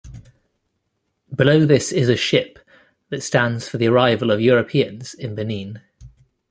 Below this is a ship, that stands for the arrival of Europeans in Benin.